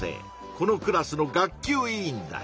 このクラスの学級委員だ。